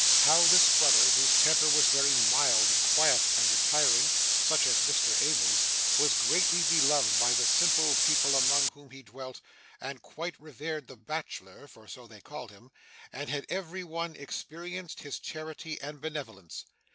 How this brother, whose temper was very mild and quiet and retiring such as Mr Abel's was greatly beloved by the simple people among whom he dwelt, who quite revered the Bachelor (for so they called him), and had every one experienced his charity and benevolence.